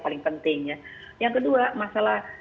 paling penting yang kedua masalah